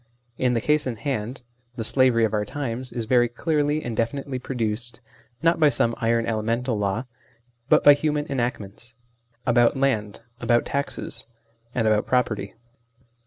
In the case in hand, the slavery of our times is very clearly and definitely produced, not by some " iron " elemental law, but by human enactments : about land, about taxes, and about property.